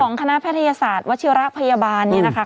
ส่วนของคณะแพทยศาสตร์วัชิราชพยาบาลเนี่ยนะคะ